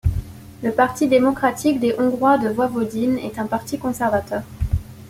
Le Parti démocratique des Hongrois de Voivodine est un parti conservateur.